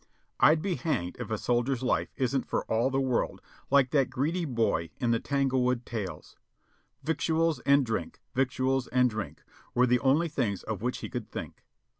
I'll be hanged if a soldier's life isn't for all the world like that greedy boy in the "Tanglewood Tales :" "Victuals and drink, victuals and drink Were the only things of which he could think."